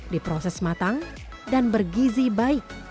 di proses matang dan bergizi baik